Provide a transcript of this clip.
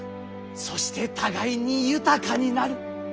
そして互いに豊かになる。